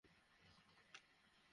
তুমি আমাকে চেনো না।